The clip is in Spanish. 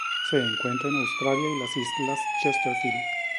Se encuentra en Australia y las Islas Chesterfield.